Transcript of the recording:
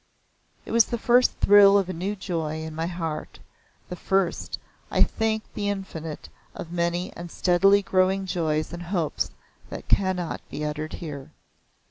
It was the first thrill of a new joy in my heart the first, I thank the Infinite, of many and steadily growing joys and hopes that cannot be uttered here.